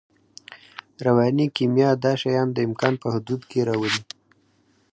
رواني کیمیا دا شیان د امکان په حدودو کې راولي